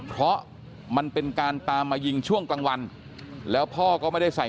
เพราะมันเป็นการตามมายิงช่วงกลางวันแล้วพ่อก็ไม่ได้ใส่